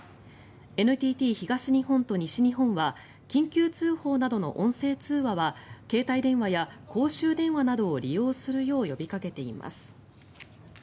ＮＴＴ東日本と西日本は緊急通報などの音声通話は携帯電話や公衆電話などを利用するよう呼びかけています。